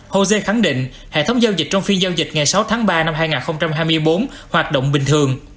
jose khẳng định hệ thống giao dịch trong phiên giao dịch ngày sáu tháng ba năm hai nghìn hai mươi bốn hoạt động bình thường